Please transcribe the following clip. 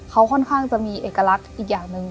เขาค่อนข้างจะมีเอกลักษณ์อีกอย่างหนึ่ง